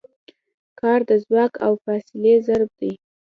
کار د ځواک او فاصلې ضرب دی.